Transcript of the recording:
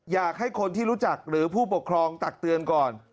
อยากให้คนที่รู้จักหรือผู้ปกครองตักเตือนก่อน